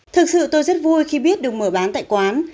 thực sự tôi rất vui khi biết được mở bán tại quán